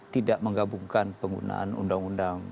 tidak menggabungkan penggunaan undang undang